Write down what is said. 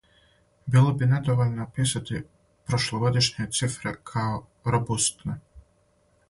Било би недовољно описати прошлогодишње цифре као робустне.